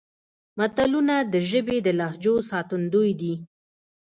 متلونه د ژبې د لهجو ساتندوی دي